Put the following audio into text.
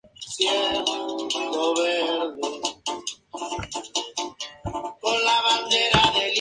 Los clubes Universal y Pettirossi llegaron a competir en la Primera División de Paraguay.